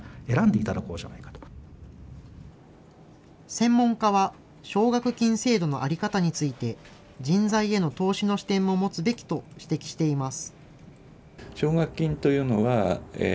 専門家は、奨学金制度の在り方について、人材への投資の視点も持つべきと指摘しています。